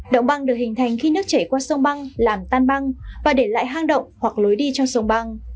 động băng được hình thành khi nước chảy qua sông băng làm tan băng và để lại hang động hoặc lối đi trong sông băng